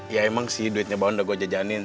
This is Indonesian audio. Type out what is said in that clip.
ya emang sih duitnya mbak on udah gue jajanin